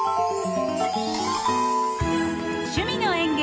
「趣味の園芸」